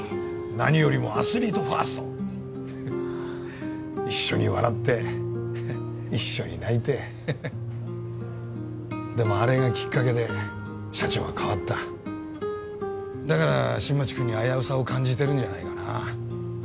何よりもアスリートファースト一緒に笑って一緒に泣いてヘヘッでもあれがきっかけで社長は変わっただから新町君に危うさを感じてるんじゃないかな